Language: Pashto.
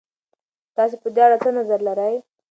تاسې په دې اړه څه نظر لرئ؟